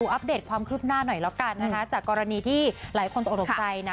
อัปเดตความคืบหน้าหน่อยแล้วกันนะคะจากกรณีที่หลายคนตกออกตกใจนะ